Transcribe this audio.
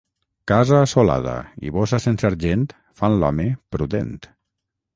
Casa assolada i bossa sense argent fan l'home prudent.